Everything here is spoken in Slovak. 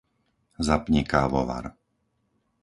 Zapni kávovar.